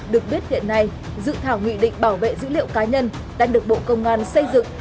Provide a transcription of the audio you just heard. được biết hiện nay dự thảo nghị định bảo vệ dữ liệu cá nhân đang được bộ công an xây dựng